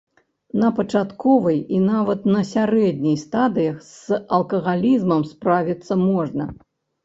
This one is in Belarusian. На пачатковай і нават на сярэдняй стадыях з алкагалізмам справіцца можна.